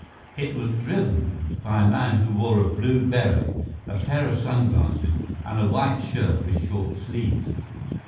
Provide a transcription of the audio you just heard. It was driven by a man who wore a blue beret, a pair of sunglasses, and a white shirt with short sleeves.